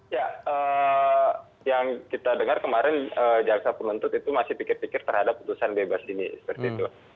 ya yang kita dengar kemarin jaksa penuntut itu masih pikir pikir terhadap putusan bebas ini seperti itu